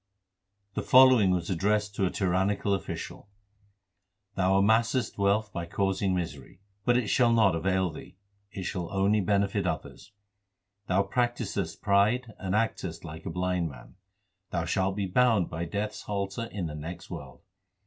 The following was addressed to a tyrannical official : Thou amassest wealth by causing misery ; But it shall not avail thee ; it shall only benefit others. Thou practisest pride and actest like a blind man ; Thou shalt be bound by Death s halter in the next world.